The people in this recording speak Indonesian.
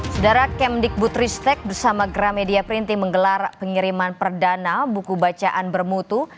sedara kemdikbud ristek bersama gramedia printing menggelar pengiriman perdana buku bacaan bermutu